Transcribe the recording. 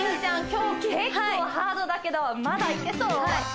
今日結構ハードだけどまだいけそう？